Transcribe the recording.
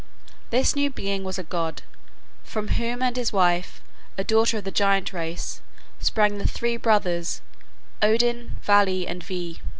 This new being was a god, from whom and his wife, a daughter of the giant race, sprang the three brothers Odin, Vili, and Ve.